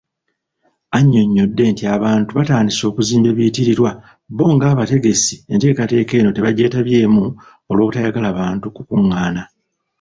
Annyonnyodde nti abantu baatandise okuzimba ebiyitirirwa, bbo ng'abategesi enteekateeka eno tebagyetabyemu olw'obutayagala bantu kukungaana.